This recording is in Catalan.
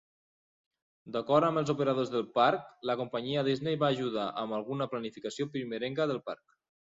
D'acord amb els operadors del parc, la companyia Disney va ajudar amb alguna planificació primerenca del parc.